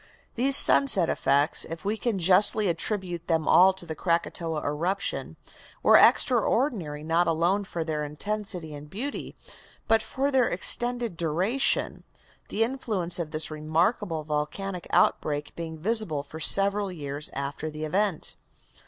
These sunset effects, if we can justly attribute them all to the Krakatoa eruption, were extraordinary not alone for their intensity and beauty but for their extended duration, the influence of this remarkable volcanic outbreak being visible for several years after the event.